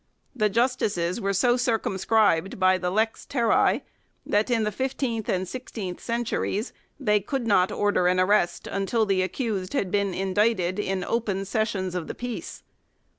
1 The justices were so circum scribed by the " lex terrae " that in the fifteenth and sixteenth centuries they could not order an arrest until the accused had been indicted in " open sessions of the peace